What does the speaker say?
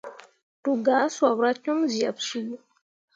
Ru gah sopra com zyeɓsuu.